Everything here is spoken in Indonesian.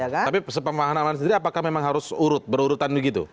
tapi sepemahaman sendiri apakah memang harus berurutan begitu